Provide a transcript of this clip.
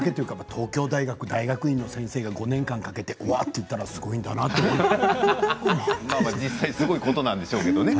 東京大学の大学院の先生が５年かけて作ったと言ったらすごいなと思いますよね。